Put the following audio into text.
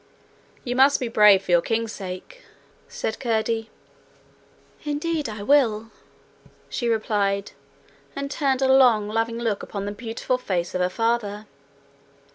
'You must be brave for your king's sake,' said Curdie. 'Indeed I will,' she replied, and turned a long loving look upon the beautiful face of her father.